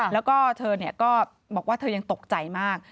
แล้วก็เธอก็บอกว่าเธอยังตกใจมาก